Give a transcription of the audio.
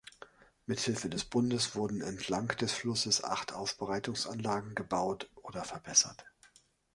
Mit der Hilfe des Bundes wurden entlang des Flusses acht Aufbereitungsanlagen gebaut oder verbessert.